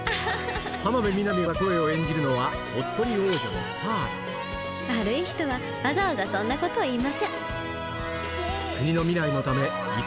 浜辺美波が声を演じるのはおっとり王女の悪い人はわざわざそんなこと言いません。